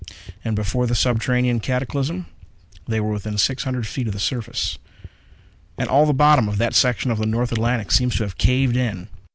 And before the subterranean cataclysm, they were within six hundred feet of the surface. And all the bottom of that section of the North Atlantic seems to have caved in.